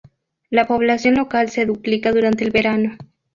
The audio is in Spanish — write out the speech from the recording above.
La población local se duplica durante el verano.